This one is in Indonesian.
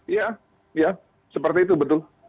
iya seperti itu betul